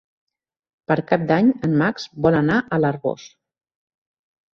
Per Cap d'Any en Max vol anar a l'Arboç.